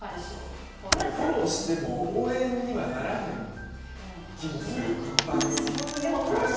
フォローしても応援にはならへん気もする。